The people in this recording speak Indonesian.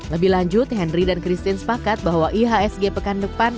lebih lanjut henry dan christine sepakat bahwa ihsg pekan depan